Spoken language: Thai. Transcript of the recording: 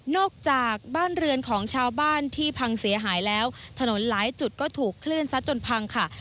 จากบ้านเรือนของชาวบ้านที่พังเสียหายแล้วถนนหลายจุดก็ถูกคลื่นซัดจนพังค่ะ